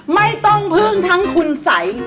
ไม่ต้องพึ่งทั้งคุณสัย